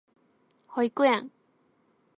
保育園